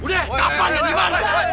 udah kapan di mana